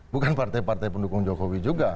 bukan partai partai pendukung jokowi juga